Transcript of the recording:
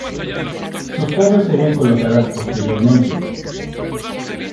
Sus torres serían colocadas posteriormente.